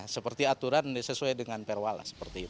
seperti aturan sesuai dengan perwala